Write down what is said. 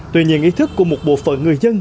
tuy nhiên ý thức của một bộ phận người dân